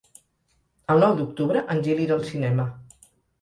El nou d'octubre en Gil irà al cinema.